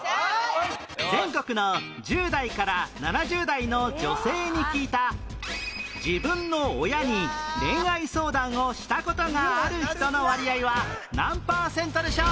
全国の１０代から７０代の女性に聞いた自分の親に恋愛相談をした事がある人の割合は何パーセントでしょう？